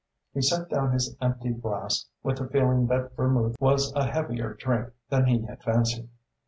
He set down his empty glass with the feeling that vermouth was a heavier drink than he had fancied.